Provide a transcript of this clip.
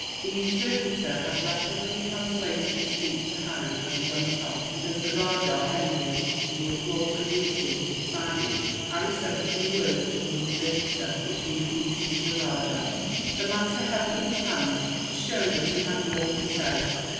The interpreter had rapidly translated the speech to Harry as it went on and, as the rajah ended, and the applause that greeted him subsided, Harry said a few words to the interpreter, which he repeated to the rajah. The latter held up his hand, to show that he had more to say.